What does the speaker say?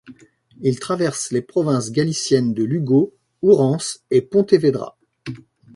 Il traverse les provinces galiciennes de Lugo, Ourense et Pontevedra.